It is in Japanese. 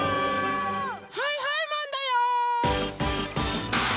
はいはいマンだよー！